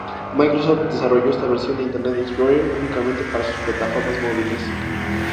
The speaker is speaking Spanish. Microsoft desarrolló esta versión de Internet Explorer únicamente para sus plataformas móviles.